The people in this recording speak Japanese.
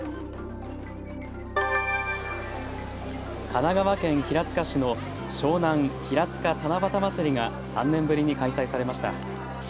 神奈川県平塚市の湘南ひらつか七夕まつりが３年ぶりに開催されました。